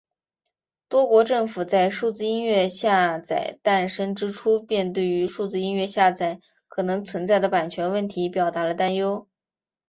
多国政府在数字音乐下载诞生之初便对于数字音乐下载可能存在的版权问题表达了担忧。